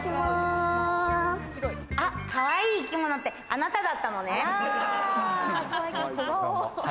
かわいい生き物ってあなただったのね。